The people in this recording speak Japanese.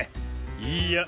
いいや！